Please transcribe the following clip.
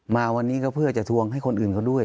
มาวันนี้ก็เพื่อจะทวงให้คนอื่นเขาด้วย